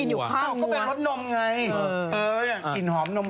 อย่างกินหอมนม